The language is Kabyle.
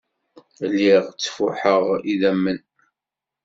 Lliɣ ttfuḥeɣ idammen.